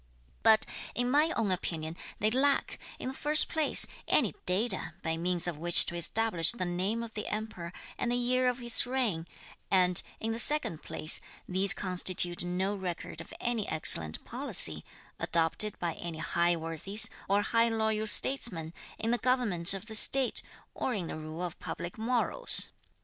But in my own opinion, they lack, in the first place, any data by means of which to establish the name of the Emperor and the year of his reign; and, in the second place, these constitute no record of any excellent policy, adopted by any high worthies or high loyal statesmen, in the government of the state, or in the rule of public morals.